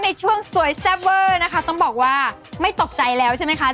ในช่วงสวยแซ่บเวอร์นะคะต้องบอกว่าไม่ตกใจแล้วใช่ไหมคะ